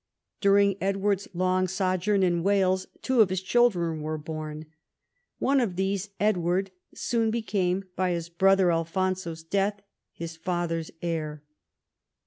During Edward's long sojourn in Wales two of his children were born. One of these, Edward, soon became by his brother Alfonso's death his father's heir.